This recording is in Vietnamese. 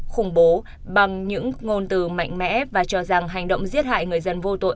khủng bố bằng những ngôn từ mạnh mẽ và cho rằng hành động giết hại người dân vô tội